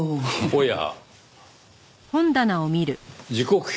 おや。